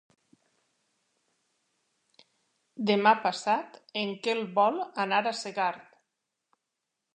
Demà passat en Quel vol anar a Segart.